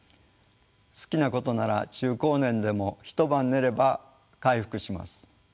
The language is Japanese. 好きなことなら中高年でも一晩寝れば回復します。